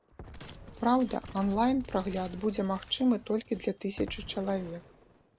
Праўда, ан-лайн прагляд будзе магчымы толькі для тысячы чалавек.